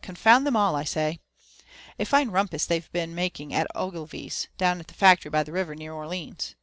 Confound them all, say 1 1 A fine rumpus they've bcNon making at Oglevie'a, down at the factory by the river, nearOrlines.